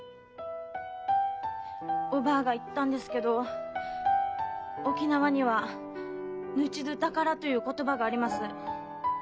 おばぁが言ったんですけど沖縄には「命どぅ宝」という言葉があります。